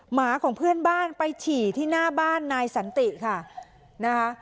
หมาของเพื่อนบ้านไปฉี่ที่หน้าบ้านนายสันติค่ะนะคะ